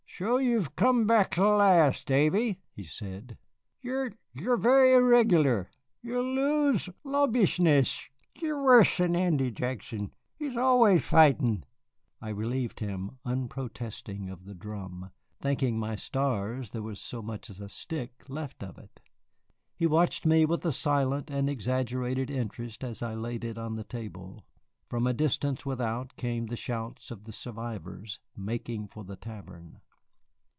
"Sho you've come back at lasht, Davy," he said. "You're you're very irregular. You'll lose law bishness. Y you're worse'n Andy Jackson he's always fightin'." I relieved him, unprotesting, of the drum, thanking my stars there was so much as a stick left of it. He watched me with a silent and exaggerated interest as I laid it on the table. From a distance without came the shouts of the survivors making for the tavern.